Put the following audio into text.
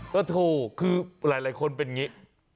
ก็โถคือหลายคนเป็นอย่างนี้